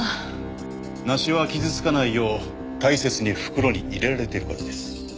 梨は傷つかないよう大切に袋に入れられてるからです。